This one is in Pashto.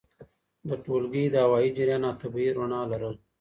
د ټولګي د هوايي جریان او طبیعي رؤڼا لرل!